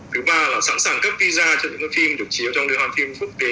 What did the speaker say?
thứ ba là sẵn sàng cấp visa cho những phim được chiếu trong liên hoan phim quốc tế